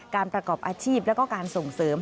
การประกอบอาชีพและการส่งเสริม